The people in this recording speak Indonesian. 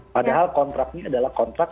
padahal kontraknya adalah kontrak